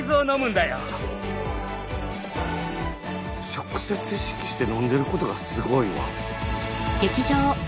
直接意識して飲んでることがすごいわ。